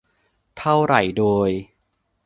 เท่าไหร่โดย